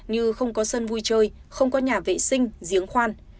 như không có sân vui chơi không có nhà vệ sinh giếng khoan